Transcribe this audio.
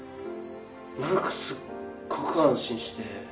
何かすごく安心して。